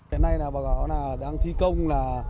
hôm nay bà gọi là đang thi công